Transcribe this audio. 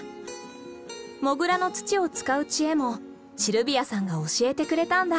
モグラの土を使う知恵もシルビアさんが教えてくれたんだ。